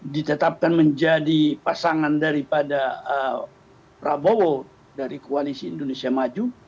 ditetapkan menjadi pasangan daripada prabowo dari koalisi indonesia maju